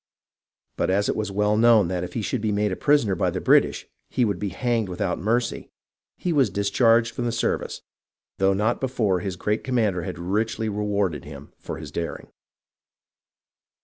But as it was known that if he should be made a prisoner by the British he would be hanged without mercy, he was discharged from the service, though not before his great commander had richly rewarded him for his daring.